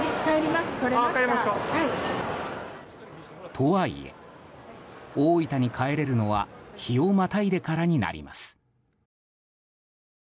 とはいえ、大分に帰れるのは日をまたいでからになります。